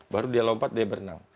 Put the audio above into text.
baru dia lompat dia berenang